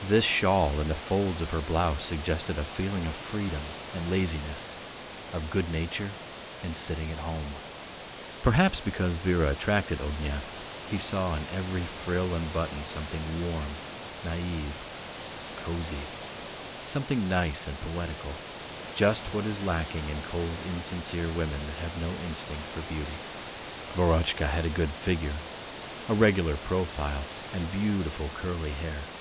This shawl and the folds of her blouse suggested a feeling of freedom and laziness, of good nature and sitting at home. Perhaps because Vera attracted Ognev he saw in every frill and button something warm, naïve, cosy, something nice and poetical, just what is lacking in cold, insincere women that have no instinct for beauty. Verotchka had a good figure, a regular profile, and beautiful curly hair.